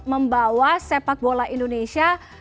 membawa sepak bola indonesia